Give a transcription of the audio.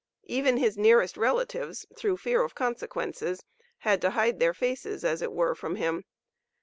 Even his nearest relatives, through fear of consequences had to hide their faces as it were from him.